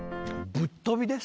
ぶっ飛びです。